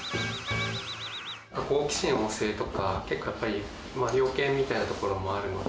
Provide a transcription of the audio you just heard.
好奇心旺盛とか、結構やっぱり猟犬みたいなところもあるので。